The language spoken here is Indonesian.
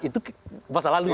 itu masa lalu ya